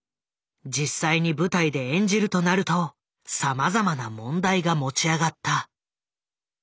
実際に舞台で演じるとなるとさまざまな問題が持ち上がった。